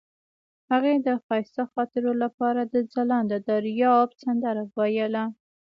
هغې د ښایسته خاطرو لپاره د ځلانده دریاب سندره ویله.